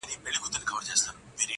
خلک غوټۍ ته روڼي شپې کړي؛